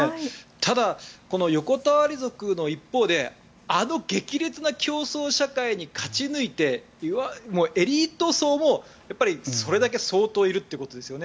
ただ、この横たわり族の一方であの激烈な競争社会に勝ち抜いてエリート層もやっぱりそれだけ相当いるということですよね。